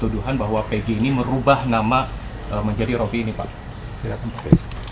tuduhan bahwa pg ini merubah nama menjadi roby ini pak